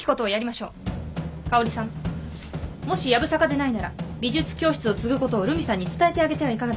もしやぶさかでないなら美術教室を継ぐことを留美さんに伝えてあげてはいかがでしょう。